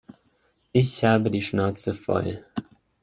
Ich habe die Schnauze voll.